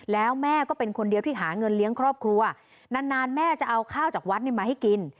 แล้วแม่ก็เป็นคนเดียวที่หาเงินเลี้ยงครอบครัวนานแม่จะเอาข้าวจากวัดมาให้กิน